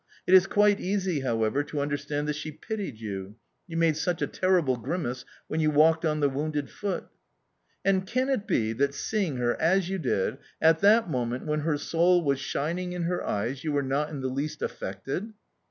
It is quite easy, however, to understand that she pitied you; you made such a terrible grimace when you walked on the wounded foot." "And can it be that seeing her, as you did, at that moment when her soul was shining in her eyes, you were not in the least affected?"